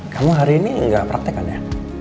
kamu hari ini gak praktek kan ya